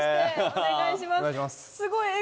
お願いします。